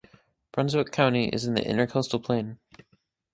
Brunswick county is in the inner coastal plain.